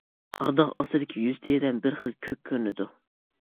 قارا داغ ئاستىدىكى يۈز تېرەم بىر خىل كۆك كۆرۈنىدۇ.